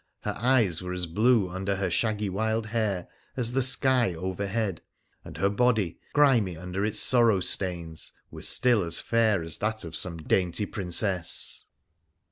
Her eyes were as blue under her shaggy wild hair as the sky overhead, and her body — grimy under its sorrow stains — was still as fair as that of some dainty princess.